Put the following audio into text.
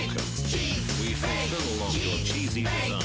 チーズ！